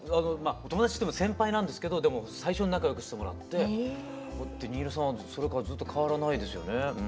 友達って言っても先輩なんですけど最初に仲よくしてもらって新納さんはそれからずっと変わらないですよね。